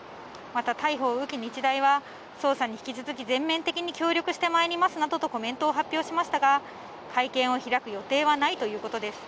また、逮捕を受け日大は、調査に引き続き全面的に協力してまいりますなどとコメントを発表しましたが、会見を開く予定はないということです。